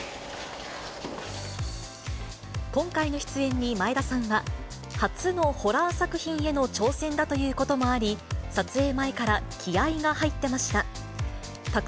今回の出演に眞栄田さんは、初のホラー作品への挑戦だということもあり、撮影前から気合いが入ってました。